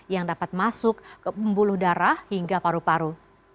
yang dapat masuk ke pembuluh darah hingga paru paru